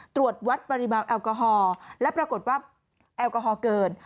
ตรวจวัดปริมาณแอลกอฮอล์และปรากฏว่าแอลกอฮอล์เกิน